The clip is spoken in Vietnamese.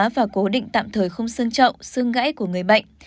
và cố định tạm thời không sương trậu xương gãy của người bệnh